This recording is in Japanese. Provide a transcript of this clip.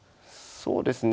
そうですね。